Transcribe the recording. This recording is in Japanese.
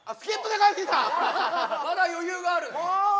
まだ余裕がある！